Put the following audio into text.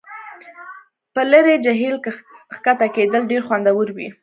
په لرې جهیل کښته کیدل ډیر خوندور وي